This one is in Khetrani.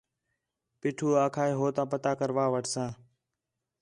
پیٹھو آکھا ہِے ہو تا پتہ کروا وٹھساں